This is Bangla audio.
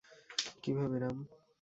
কীভাবে, রাম?